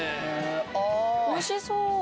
おいしそう！